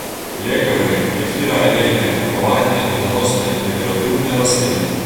Лекавыя, эфіраалейныя, фарбавальныя, меданосныя і дэкаратыўныя расліны.